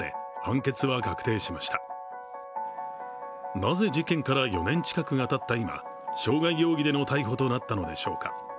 なぜ、事件から４年近くがたった今、傷害容疑での逮捕となったのでしょうか。